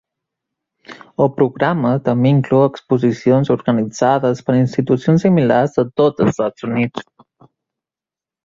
El programa també inclou exposicions organitzades per institucions similars de tot Estats Units.